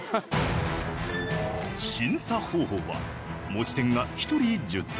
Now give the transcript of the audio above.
審査方法は持ち点が１人１０点。